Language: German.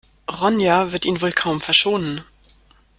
Ronja wird ihn wohl kaum verschonen.